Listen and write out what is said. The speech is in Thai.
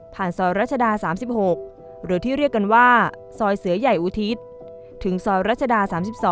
ซอยรัชดา๓๖หรือที่เรียกกันว่าซอยเสือใหญ่อุทิศถึงซอยรัชดา๓๒